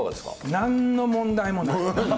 なんの問題もない。